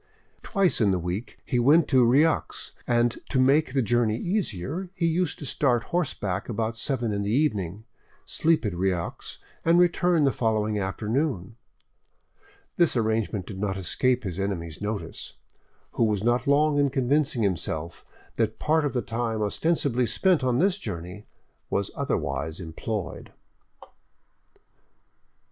Twice in the week he went to Rieux, and to make the journey easier, used to start horseback about seven in the evening, sleep at Rieux, and return the following afternoon. This arrangement did not escape his enemy's notice, who was not long in convincing himself that part of the time ostensibly spent on this journey was otherwise employed.